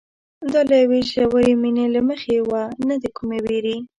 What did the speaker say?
دا له یوې ژورې مینې له مخې وه نه د کومې وېرې.